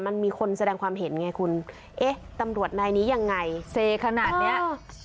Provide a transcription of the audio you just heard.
มันมีคนแสดงความเห็นไงคุณเอ๊ะตำรวจนายนี้ยังไงเซขนาดเนี้ย